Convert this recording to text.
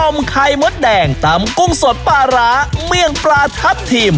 ไข่มดแดงตำกุ้งสดปลาร้าเมี่ยงปลาทับทิม